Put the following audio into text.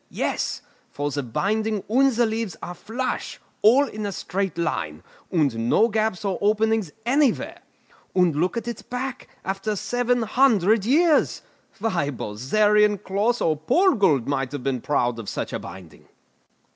Yes; for the binding and the leaves are flush, all in a straight line, and no gaps or openings anywhere. And look at its back, after seven hundred years. Why, Bozerian, Closs, or Purgold might have been proud of such a binding!"